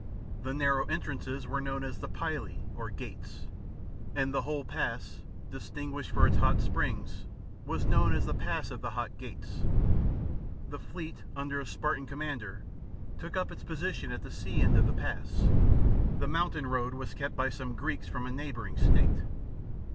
The narrow en Dances were known as the Pylae or Gates, and the whole pass, distinguished for its hot springs, was known as the Pass of the Hot*Gates. The fleet under a Spartan commander, took up its position at the sea end of the pass ; the moun 96 THE GKEEKS BETRAYED. [B.C. 480. tain road was kept by some Greeks from a neigh bouring state.